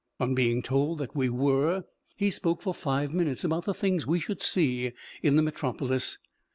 On being told that we were, he spoke for five minutes about the things we should see in the Metropolis.